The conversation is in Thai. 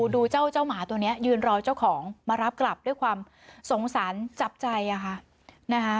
ดูเจ้าหมาตัวนี้ยืนรอเจ้าของมารับกลับด้วยความสงสารจับใจค่ะนะคะ